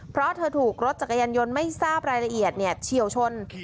เพราะเธอถูกรถจักรยานยนต์ไม่ทราบรายละเอียดเฉียวชน